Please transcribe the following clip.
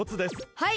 はい。